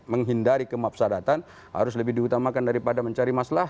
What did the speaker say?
menghindari kemapsadatan harus lebih diutamakan daripada mencari masalah